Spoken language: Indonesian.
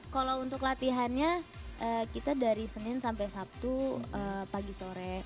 kalau untuk latihannya kita dari senin sampai sabtu pagi sore